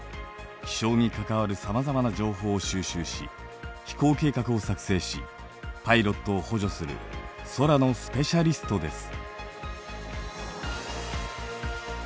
気象に関わるさまざまな情報を収集し飛行計画を作成しパイロットを補助する空のスペシャリストです。